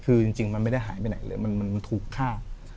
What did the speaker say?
คือจริงมันไม่ได้หายไปไหนเลยมันถูกฆ่า